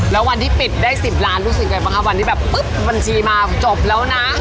แล้ววันที่ปิดได้๑๐ล้านรู้สึกไงบ้างคะวันที่แบบปุ๊บบัญชีมาจบแล้วนะ